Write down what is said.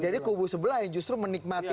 jadi kubu sebelah yang menikmati